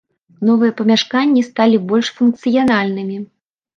Новыя памяшканні сталі больш функцыянальнымі.